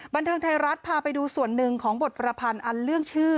บันเทิงไทยรัฐพาไปดูส่วนหนึ่งของบทประพันธ์อันเรื่องชื่อ